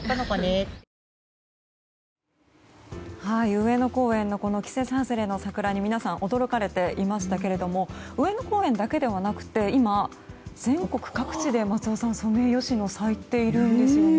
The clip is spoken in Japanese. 上野公園の季節外れの桜に皆さん、驚かれていましたけども上野公園だけではなくて今、全国各地で松尾さん、ソメイヨシノが咲いているんですよね。